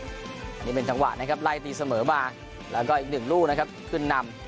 อันนี้เป็นจังหวะนะครับไล่ตีเสมอมาแล้วก็อีกหนึ่งลูกนะครับขึ้นนำ